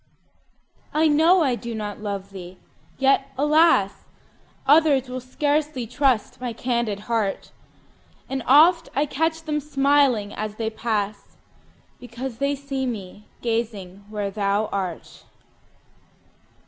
I know I do not love thee! yet, alas! Others will scarcely trust my candid heart; And oft I catch them smiling as they pass, Because they see me gazing where thou art.